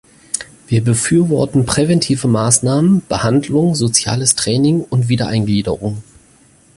Wir befürworten präventive Maßnahmen, Behandlung, soziales Training und Wiedereingliederung.